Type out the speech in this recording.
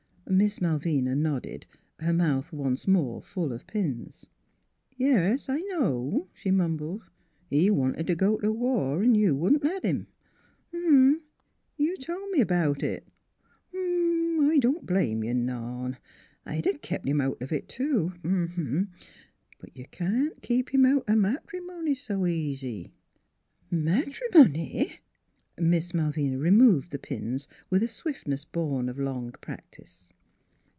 Miss Malvina nodded, her mouth once more full of pins. "Yes; I know," she mumbled, "he wanted t' go t' war an' you wouldn't let him. M m m. You told me about it, m m m, I don't blame you none. I'd 'a' kep' him out of it, too; m m m, but you can't keep him out o' matrimony s' easy." "Matrimony!" NEIGHBORS 175 Miss Malvina removed the pins, with a swift ness born of long practice.